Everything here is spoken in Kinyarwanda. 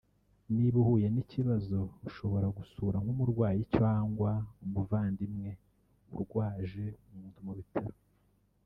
niba uhuye n’ikibazo ushobora gusura nk’umurwayi cyangwa umuvandimwe urwaje umuntu mu bitaro